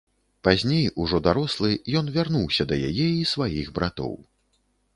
Пазней, ўжо дарослы, ён вярнуўся да яе і сваіх братоў.